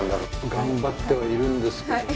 頑張ってはいるんですけど。